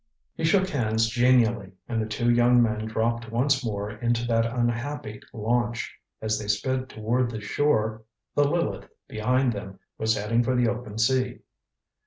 He shook hands genially, and the two young men dropped once more into that unhappy launch. As they sped toward the shore the Lileth, behind them, was heading for the open sea.